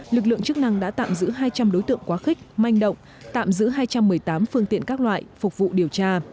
lực lượng chức năng đã tạm giữ hai trăm linh đối tượng quá khích manh động tạm giữ hai trăm một mươi tám phương tiện các loại phục vụ điều tra